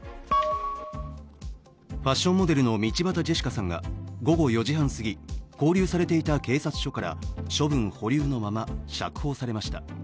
ファッションモデルの道端ジェシカさんが午後４時半すぎ勾留されていた警察署から処分保留のまま釈放されました。